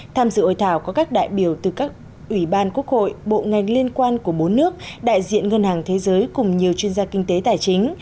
tham dự hội thảo có các đại biểu từ các ủy ban quốc hội bộ ngành liên quan của bốn nước đại diện ngân hàng thế giới cùng nhiều chuyên gia kinh tế tài chính